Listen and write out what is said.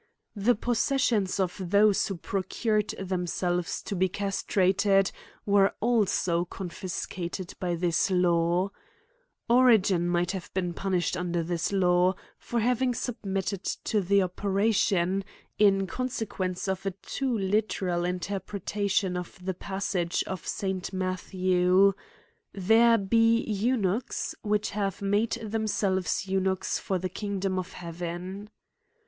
The possessions of those who procured themselves to be castrated, were also confiscated by this law. Origen might have been punished under this law, for having submitted to the operation, in conse quence of a too literal interpretation of the passage of St. Mathew :'^ There be eunuchs^ which have made themselves eunuchs for the kingdom of Heaven, \ Ad legem Comeliam de sicarik. CRIMES AND PUNISHMENTS.